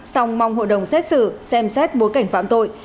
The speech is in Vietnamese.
song mong hội đồng xét xử xem xét bối cảnh phạm tội